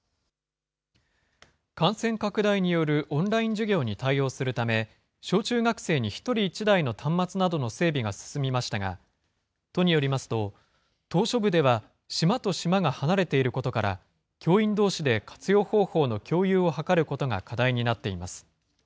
感染拡大によるオンライン授業に対応するため、小中学生に１人１台の端末などの整備が進みましたが、都によりますと、島しょ部では島と島が離れていることから、教員どうしで活用方法の共有を図ることが課題になっています。